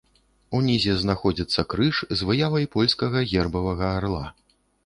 Унізе знаходзіцца крыж з выявай польскага гербавага арла.